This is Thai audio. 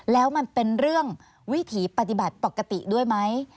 แล้วมันเป็นเรื่องวิถีปฏิบัติปกติด้วยไหม